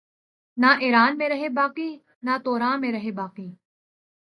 نہ ایراں میں رہے باقی نہ توراں میں رہے باقی